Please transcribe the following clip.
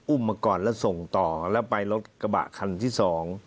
มาก่อนแล้วส่งต่อแล้วไปรถกระบะคันที่สอง